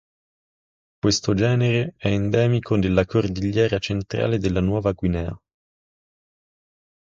Questo genere è endemico della cordigliera centrale della Nuova Guinea.